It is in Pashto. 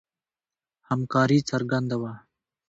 همکاري څرګنده وه.